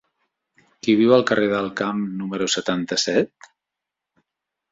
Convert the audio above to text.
Qui viu al carrer del Camp número setanta-set?